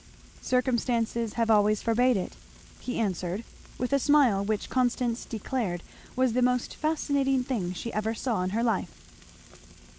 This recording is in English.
"Circumstances have always forbade it," he answered with a smile which Constance declared was the most fascinating thing she ever saw in her life.